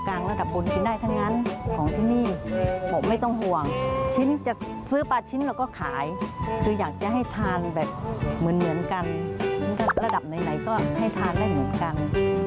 กลางระดับบนกินได้ทั้งนั้นของที่นี่บอกไม่ต้องห่วงชิ้นจะซื้อปลาชิ้นเราก็ขายคืออยากจะให้ทานแบบเหมือนกันระดับไหนก็ให้ทานได้เหมือนกัน